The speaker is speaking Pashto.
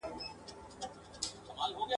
نه یې بیرته سوای قفس پیدا کولای ..